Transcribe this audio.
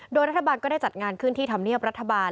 โดยรัฐบาลก็ได้จัดงานขึ้นที่ธรรมเนียบรัฐบาล